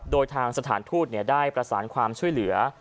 โดยทางสถานทูตได้ประสานความช่วยเหลือ